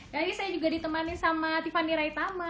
jadi saya juga ditemani sama tiffany raitama